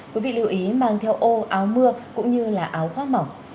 quý vị lưu ý mang theo ô áo mưa cũng như là áo khoác mỏng